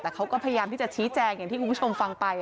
แต่เขาก็พยายามชี้แจงอย่างที่กูคุ้งชมฟังไป